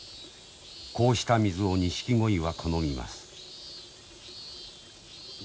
こうした水をニシキゴイは好みます。